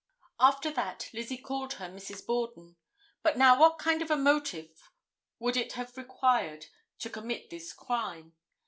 After that Lizzie called her Mrs. Borden. But now what kind of a motive would it have required to commit this crime.